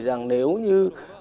rằng nếu như